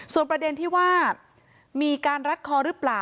ส่วนประเด็นที่ว่ามีการรัดคอหรือเปล่า